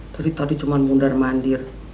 dari tadi cuma bundar mandir